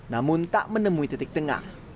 namun tak menemui titik tengah